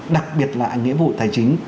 đặc biệt là nghĩa vụ tài chính